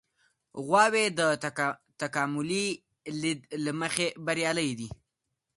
غواوې د تکاملي لید له مخې بریالۍ دي.